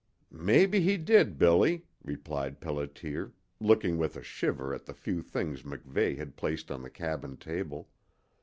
"Mebbe he did, Billy," replied Pelliter, looking with a shiver at the few things MacVeigh had placed on the cabin table.